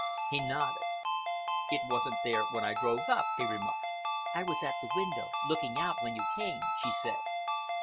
He nodded. "It wasn't there when I drove up," he remarked. "I was at the window, looking out, when you came," she said.